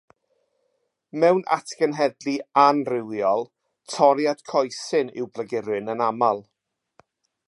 Mewn atgenhedlu anrhywiol, toriad coesyn yw blaguryn yn aml.